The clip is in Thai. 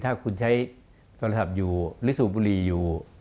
ถ้าคุณใช้โทรศัพท์อยู่หรือสูบบุหรี่อยู่